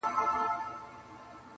بیا به لوړه بیه واخلي په جهان کي,